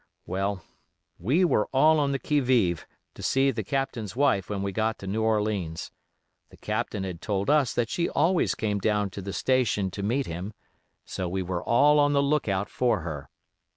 "Well, we were all on the 'qui vive' to see the Captain's wife when we got to New Orleans. The Captain had told us that she always came down to the station to meet him; so we were all on the lookout for her.